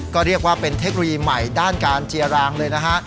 ก็เรียกว่าเป็นเทคโนโลยีใหม่ด้านการเจียรางเลยนะฮะ